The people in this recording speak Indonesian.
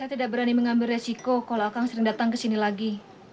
saya tidak berani mengambil resiko kalau akan sering datang ke sini lagi